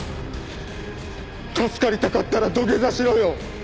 助かりたかったら土下座しろよ！